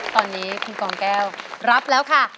ตอนนี้คุณกองแก้วรับแล้วค่ะ